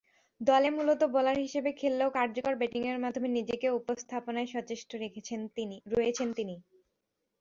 দলে মূলতঃ বোলার হিসেবে খেললেও কার্যকর ব্যাটিংয়ের মাধ্যমে নিজেকে উপস্থাপনায় সচেষ্ট রয়েছেন তিনি।